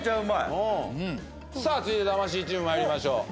さあ続いて魂チーム参りましょう。